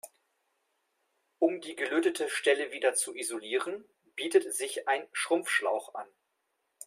Um die gelötete Stelle wieder zu isolieren, bietet sich ein Schrumpfschlauch an.